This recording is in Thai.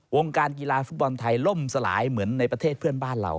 การกีฬาฟุตบอลไทยล่มสลายเหมือนในประเทศเพื่อนบ้านเรา